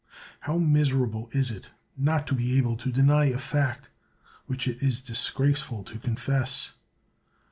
How miserable is it not to be able to deny a fact which it is dis graceful to confess!